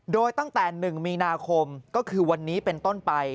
โดยตั้งแต่๑มีนาคมก็คือวันนี้เป็นต้นไป